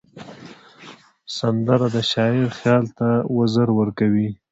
سندره د شاعر خیال ته وزر ورکوي